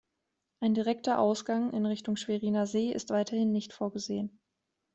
Ein direkter Ausgang in Richtung Schweriner See ist weiterhin nicht vorgesehen.